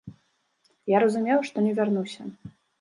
Я разумеў, што не вярнуся.